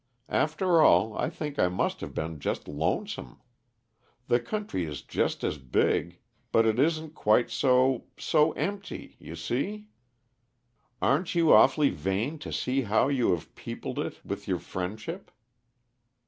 After all, I think I must have been just lonesome. The country is just as big, but it isn't quite so so empty, you see. Aren't you awfully vain, to see how you have peopled it with your friendship?"